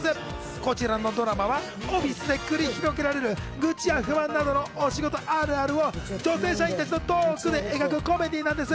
こちらのドラマはオフィスで繰り広げられる愚痴や不満などのお仕事あるあるを女性社員たちのトークで描くコメディーなんです。